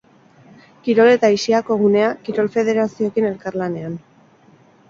Kirol eta aisiako gunea, kirol-federazioekin elkarlanean.